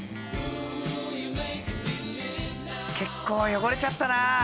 結構汚れちゃったな。